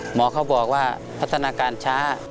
หมอเขาบอกว่าพัฒนาการช้า